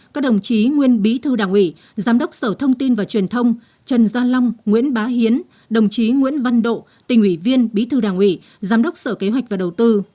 các đồng chí nguyên bí thư đảng ủy giám đốc sở thông tin và truyền thông trần gia long nguyễn bá hiến đồng chí nguyễn văn độ tỉnh ủy viên bí thư đảng ủy giám đốc sở kế hoạch và đầu tư